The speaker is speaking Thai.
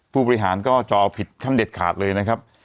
ผู้บริหารก็จอผิดขั้นเด็ดขาดเลยนะครับ